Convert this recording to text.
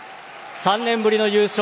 ３年ぶりの優勝。